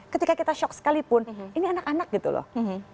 ketika kita shock sekalipun ini anak anak gitu loh